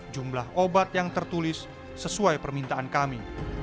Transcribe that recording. jumlah obat yang tertulis sesuai permintaan kami